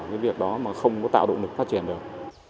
cái việc đó mà không có tạo động lực phát triển được